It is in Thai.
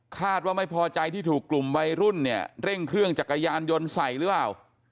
คาดว่าไม่พอใจที่ถูกกลุ่มวัยรุ่นเนี่ยเร่งเครื่องจักรยานยนต์ใส่หรือเปล่า